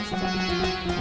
emak udah enggak lagi